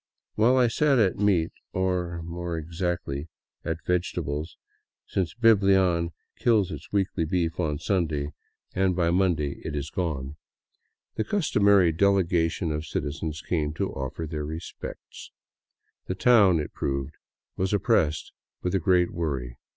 While I sat at meat — or, more exactly, at vege tables, since Biblian kills its weekly beef on Sunday and bv Monday 185 VAGABONDING DOWN THE ANDES it is gone — the customary delegation of citizens came to offer their respects. The town, it proved, was oppressed with a great v/orry.